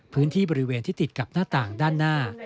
พื้นที่บริเวณที่ติดกับหน้าต่างด้านหน้า